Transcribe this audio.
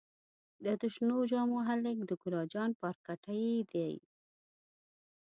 دا د شنو جامو هلک د ګلا جان پارکټې دې.